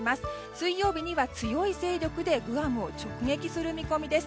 水曜日には強い勢力でグアムを直撃する見込みです。